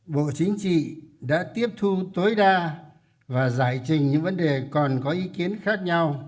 bộ chính trị đã tiếp thu tối đa và giải trình những vấn đề còn có ý kiến khác nhau